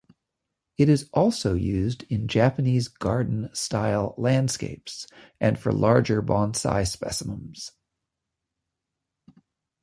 It is also used in Japanese garden style landscapes, and for larger bonsai specimens.